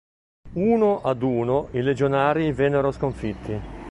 Uno ad uno i Legionari vennero sconfitti.